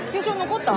残った？